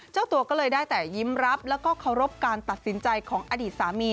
เจ้าตัวก็เลยได้แต่ยิ้มรับแล้วก็เคารพการตัดสินใจของอดีตสามี